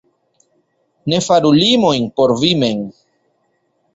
Ne faru limojn por vi mem.